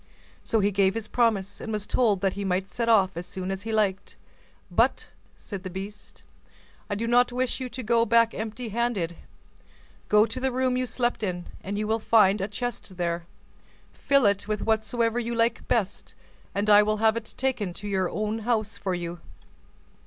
So he gave his promise, and was told that he might then set off as soon as he liked. "But," said the beast, "I do not wish you to go back empty handed. Go to the room you slept in, and you will find a chest there; fill it with whatsoever you like best, and I will have it taken to your own house for you."